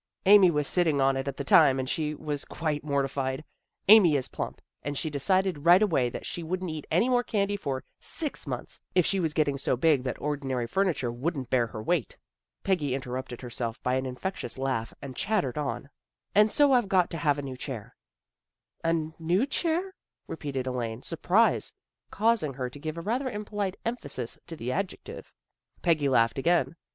Amy was sitting on it at the time, and she was quite mortified. Amy is plump, and she decided right away that she wouldn't eat any more candy for six months, if she was getting so big that ordinary furniture wouldn't bear her weight." Peggy interrupted herself by an infectious laugh and chattered on, " And so I've got to have a new chair " A new chair," repeated Elaine, surprise causing her to give a rather impolite emphasis to the adjective. Peggy laughed again.